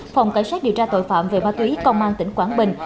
phòng cảnh sát điều tra tội phạm về ma túy công an tỉnh quảng bình